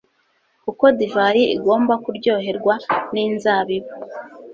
kuko divayi igomba kuryoherwa n'inzabibu